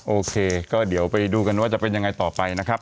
โอเคก็เดี๋ยวไปดูกันว่าจะเป็นยังไงต่อไปนะครับ